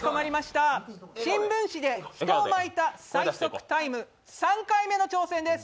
新聞紙で人を巻いた最速タイム、３回目の挑戦です！